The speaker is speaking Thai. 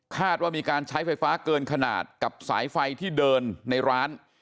ว่ามีการใช้ไฟฟ้าเกินขนาดกับสายไฟที่เดินในร้าน